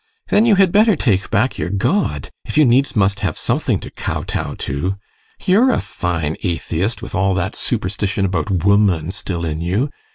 Then you had better take back your God if you needs must have something to kow tow to! You're a fine atheist, with all that superstition about woman still in you!